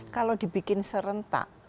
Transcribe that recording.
kalau dibikin serentak